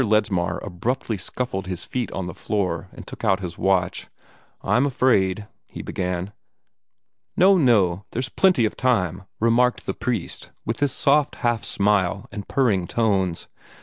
Ledsmar abruptly scuffled his feet on the floor, and took out his watch. "I'm afraid " he began. "No, no! There's plenty of time," remarked the priest, with his soft half smile and purring tones.